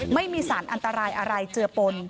ไม่มีสารอันตรายอะไรเจือปน